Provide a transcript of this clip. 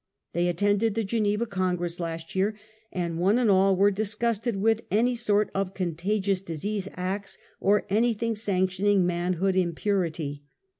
They attended the Geneva Congress last year, and one and all were disgusted with any sort of contagious disease acts, or anything sanctioning manhood impurity.